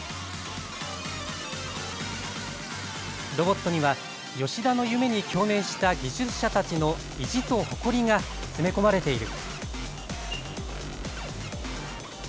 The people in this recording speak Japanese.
ロボットには吉田の夢に共鳴した技術者たちの意地と誇りが詰め込まれている。